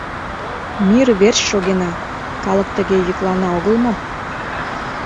Мир верч шогена!» — калык тыге йӱклана огыл мо?